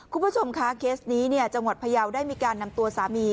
คุณผู้ชมคะเคสนี้จังหวัดพยาวได้มีการนำตัวสามี